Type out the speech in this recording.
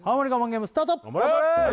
ゲームスタート